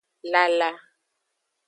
Lala.